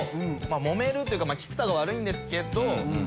揉めるというか菊田が悪いんですけど。